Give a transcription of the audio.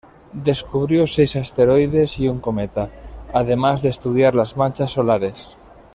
Descubrió seis asteroides y un cometa, además de estudiar las manchas solares.